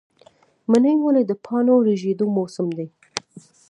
منی ولې د پاڼو ریژیدو موسم دی؟